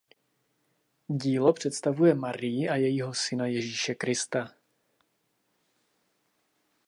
Dílo představuje Marii a jejího syna Ježíše Krista.